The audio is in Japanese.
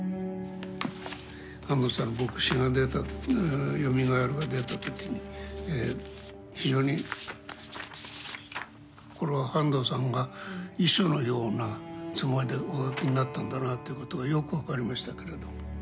半藤さんの「墨子」が出た「よみがえる」が出た時に非常にこれは半藤さんが遺書のようなつもりでお書きになったんだなということがよく分かりましたけれど。